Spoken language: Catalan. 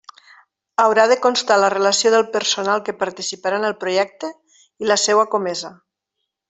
Haurà de constar la relació del personal que participarà en el projecte i la seua comesa.